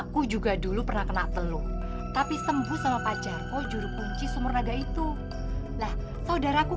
kalau boleh saya mau pinjam uang sepuluh ribu